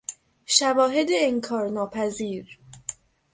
شواهد انکارناپذیر